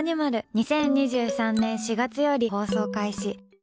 ２０２３年４月より放送開始。